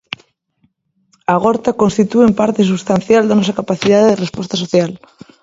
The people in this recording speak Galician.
Agorta constitúen parte substancial da nosa capacidade de resposta social.